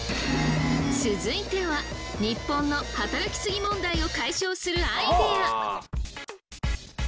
続いては日本の働きすぎ問題を解消するアイデア！